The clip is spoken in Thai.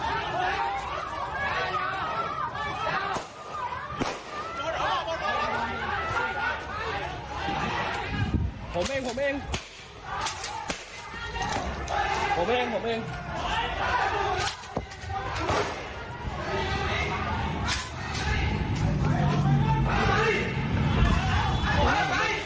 เผ่มภาพเนี่ยตัวร้ายว่าไง